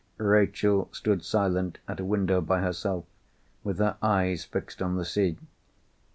Rachel stood silent, at a window by herself, with her eyes fixed on the sea.